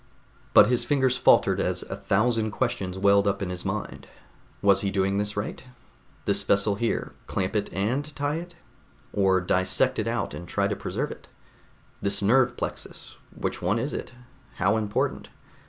But his fingers faltered as a thousand questions welled up in his mind. Was he doing this right? This vessel here ... clamp it and tie it? Or dissect it out and try to preserve it? This nerve plexus ... which one was it? How important?